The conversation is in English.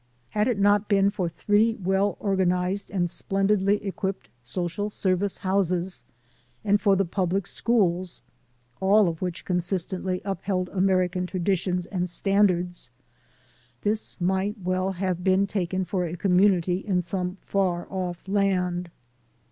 Had it not been for three well organized and splen didly equipped social service houses and for the public schools, all of which consistently upheld American traditions and standards, this might well have been taken for a community in some far off land.